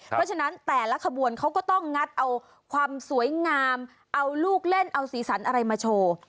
เพราะฉะนั้นแต่ละขบวนเขาก็ต้องงัดเอาความสวยงามเอาลูกเล่นเอาสีสันอะไรมาโชว์